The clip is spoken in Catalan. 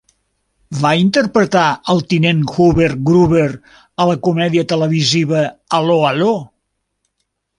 Va interpretar el tinent Hubert Gruber a la comèdia televisiva 'Allo 'Allo!